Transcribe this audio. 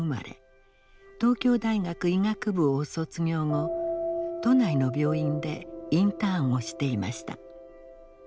東京大学医学部を卒業後都内の病院でインターンをしていました。